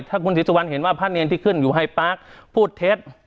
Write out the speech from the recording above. ถ้าคุณศรีสุวรรณเห็นว่าพระเนรที่ขึ้นอยู่ไฮปาร์คพูดเท็จ